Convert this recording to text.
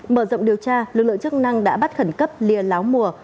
mở rộng điều tra lực lượng chức năng đã bắt khẩn cấp lìa láo mùa